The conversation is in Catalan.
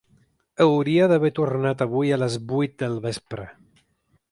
Hauria d’haver tornat avui a les vuit del vespre.